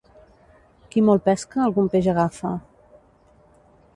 Qui molt pesca algun peix agafa.